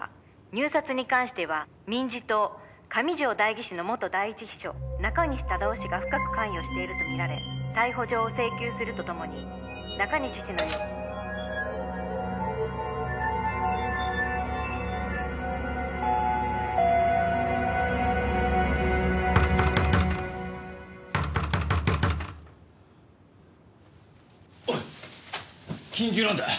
「入札に関しては民自党上条代議士の元第一秘書中西忠雄氏が深く関与していると見られ逮捕状を請求すると共に中西氏の」おい緊急なんだ！